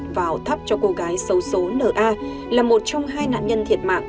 mẹ em bảo thắp cho cô gái xấu xố nna là một trong hai nạn nhân thiệt mạng